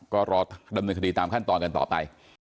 ก็รอดำเนินคดีตามขั้นตอนกันต่อไป